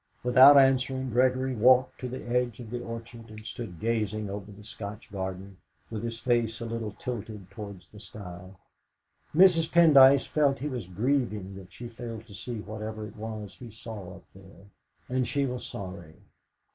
Without answering, Gregory walked to the edge of the orchard, and stood gazing over the Scotch garden, with his face a little tilted towards the sky. Mrs. Pendyce felt he was grieving that she failed to see whatever it was he saw up there, and she was sorry.